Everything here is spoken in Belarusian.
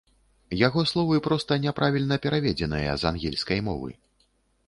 Яго словы проста няправільна пераведзеныя з ангельскай мовы.